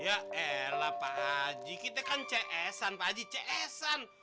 ya elah pak haji kita kan cs an pak haji cs an